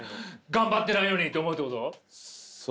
頑張ってないのにって思うってこと？